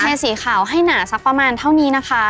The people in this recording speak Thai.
สีขาวให้หนาสักประมาณเท่านี้นะคะ